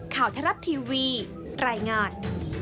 ข่าวทรัพย์ทีวีรายงาน